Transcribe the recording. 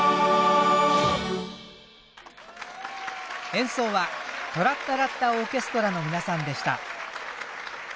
演奏はトラッタラッタオーケストラの皆さんでした。